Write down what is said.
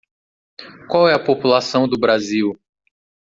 Qual é a população do Brasil?